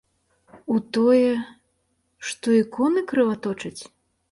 У тое, што іконы крываточаць?